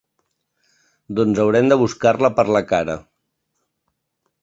Doncs haurem de buscar-la per la cara.